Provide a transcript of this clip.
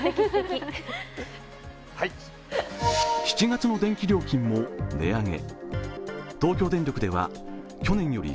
７月の電気料金も値上げ。